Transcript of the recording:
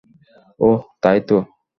ওহ, তাইতো!